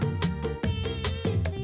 untuk ku kasih